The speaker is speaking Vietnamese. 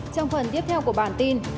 trong phần tiếp theo của bản tin